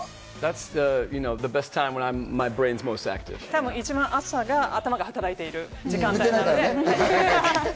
多分、一番朝が頭が働いている時間だからね。